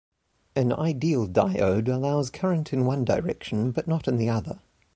An ideal diode allows current in one direction but not in the other.